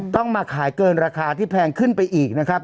ต้องมาขายเกินราคาที่แพงขึ้นไปอีกนะครับ